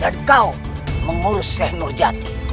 dan kau mengurus syekh nurjati